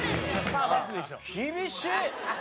厳しい！